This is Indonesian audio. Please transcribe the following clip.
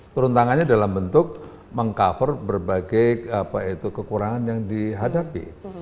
turun tangannya dalam bentuk meng cover berbagai kekurangan yang dihadapi